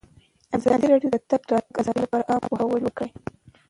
ازادي راډیو د د تګ راتګ ازادي لپاره عامه پوهاوي لوړ کړی.